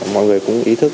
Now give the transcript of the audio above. mọi người cũng ý thức